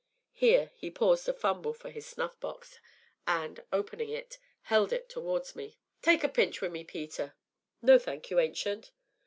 Here he paused to fumble for his snuff box, and, opening it, held it towards me. "Tak' a pinch wi' me, Peter." "No, thank you, Ancient."